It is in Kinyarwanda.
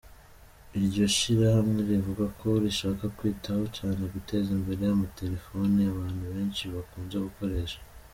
Iryo shirahamwe rivuga ko rishaka kwitaho cane guteza imbere “ amatelepfone abantu benshi bakunze gukoresha”.